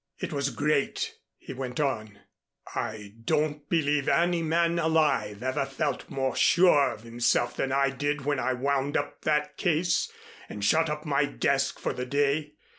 "It was great!" he went on. "I don't believe any man alive ever felt more sure of himself than I did when I wound up that case and shut up my desk for the day.